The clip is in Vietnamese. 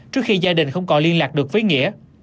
trước khi gia đình không còn liên lạc được với nghĩa